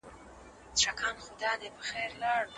ځواني د کار او زده کړې وخت دی.